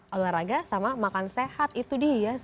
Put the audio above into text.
olahraga sama makan sehat itu dia ya